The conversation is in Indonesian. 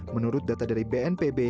menurut data dari bnpb